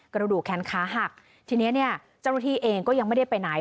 กระดูกแขนขาหักทีนี้เนี่ยเจ้าหน้าที่เองก็ยังไม่ได้ไปไหน